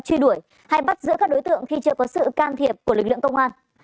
truy đuổi hay bắt giữ các đối tượng khi chưa có sự can thiệp của lực lượng công an